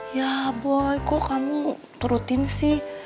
yah boy kok kamu turutin sih